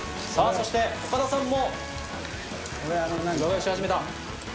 そして岡田さんも裏返し始めた！